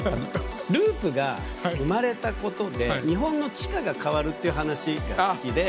ＬＵＵＰが生まれたことで日本の地価が変わるっていう話が好きで。